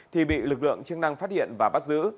thì bị lực lượng chức năng phát hiện và bắt giữ